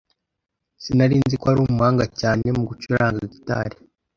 Sinari nzi ko wari umuhanga cyane mu gucuranga gitari.